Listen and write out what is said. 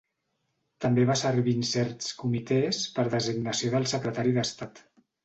També va servir en certs comitès per designació del secretari d'Estat.